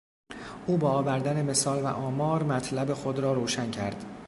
او با آوردن مثال و آمار مطلب خود را روشن کرد.